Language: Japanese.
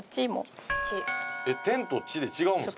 天と地で違うんですか？